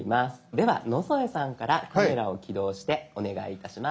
では野添さんからカメラを起動してお願いいたします。